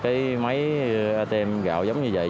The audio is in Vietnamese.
cái máy atm gạo giống như vậy